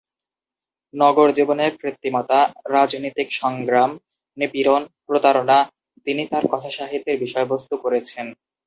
নগরজীবনের কৃত্রিমতা, রাজনীতিক সংগ্রাম, নিপীড়ন, প্রতারণা তিনি তাঁর কথাসাহিত্যের বিষয়বস্ত্ত করেছেন।